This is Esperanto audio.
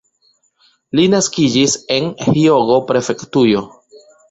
Li naskiĝis en Hjogo-prefektujo.